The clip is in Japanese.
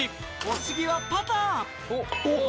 お次はパター